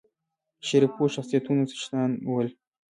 شریفو شخصیتونو څښتنان ول.